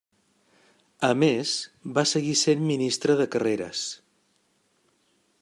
A més, va seguir sent Ministre de Carreres.